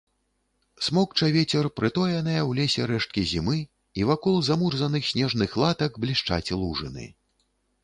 Смокча вецер прытоеныя ў лесе рэшткі зімы, і вакол замурзаных снежных латак блішчаць лужыны.